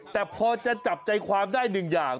แต่พอจะจับใจความได้หนึ่งอย่าง